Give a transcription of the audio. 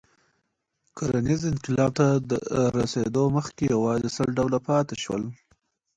کرنیز انقلاب ته تر رسېدو مخکې یواځې سل ډوله پاتې شول.